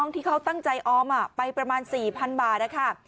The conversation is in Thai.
ที่เขาตั้งใจออมไปประมาณ๔๐๐๐บาทนะคะ